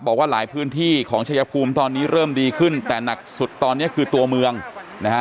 บอกว่าหลายพื้นที่ของชายภูมิตอนนี้เริ่มดีขึ้นแต่หนักสุดตอนนี้คือตัวเมืองนะฮะ